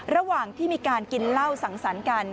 ระหว่างที่มีการกินเหล้าสังสรรค์กัน